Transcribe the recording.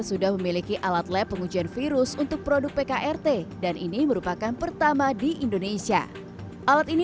sudah memiliki alat lab pengujian virus untuk produk pkrt dan ini merupakan pertama di indonesia alat ini